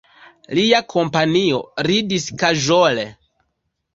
Lia kompanio ridis kaĵole.